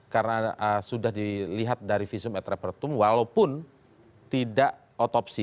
karena sudah dilihat dari visum et repertum walaupun tidak otopsi